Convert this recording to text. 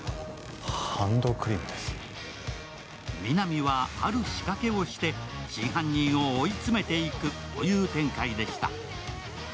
皆実は、ある仕掛けをして真犯人を追い詰めていくという展開でした。